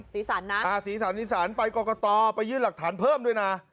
สีสันนะสีสันสีสันไปกรกตไปยื่นหลักฐานเพิ่มด้วยนะ